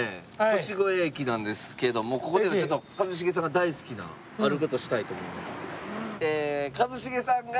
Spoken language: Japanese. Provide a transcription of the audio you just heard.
腰越駅なんですけどもここでねちょっと一茂さんが大好きなある事をしたいと思います。